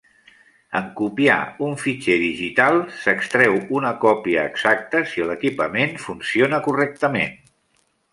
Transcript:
En copiar un fitxer digital, s'extreu una còpia exacta si l'equipament funciona correctament.